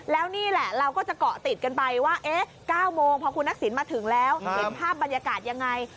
แล้วนี่แหละเราก็จะเกาะติดกันไปว่า๙โมงพอคุณทักษิณมาถึงแล้วเห็นภาพบรรยากาศยังไง